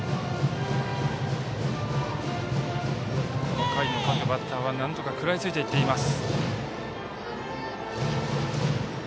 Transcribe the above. この回の各バッターはなんとか食らいついていっています。